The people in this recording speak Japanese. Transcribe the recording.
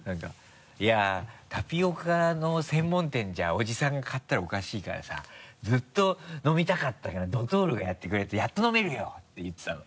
「いやぁタピオカの専門店じゃおじさんが買ったらおかしいからさずっと飲みたかったから「ドトール」がやってくれてやっと飲めるよ！」て言ってたの。